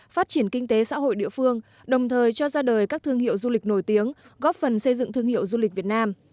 phát triển kinh tế xã hội địa phương đồng thời cho ra đời các thương hiệu du lịch nổi tiếng góp phần xây dựng thương hiệu du lịch việt nam